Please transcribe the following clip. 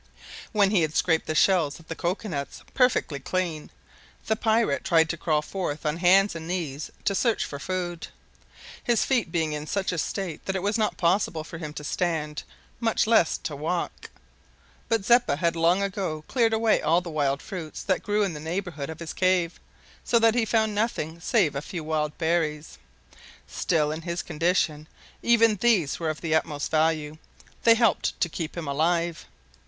When he had scraped the shells of the cocoa nuts perfectly clean, the pirate tried to crawl forth on hands and knees, to search for food, his feet being in such a state that it was not possible for him to stand, much less to walk. But Zeppa had long ago cleared away all the wild fruits that grew in the neighbourhood of his cave, so that he found nothing save a few wild berries. Still, in his condition, even these were of the utmost value: they helped to keep him alive.